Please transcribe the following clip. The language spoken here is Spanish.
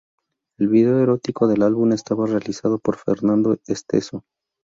El video erótico del álbum estaba realizado por Fernando Esteso.